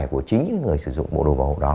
của chính những người sử dụng bộ đồ bảo hộ đó